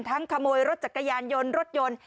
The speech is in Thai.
ขโมยรถจักรยานยนต์รถยนต์